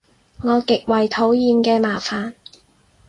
我極為討厭嘅麻煩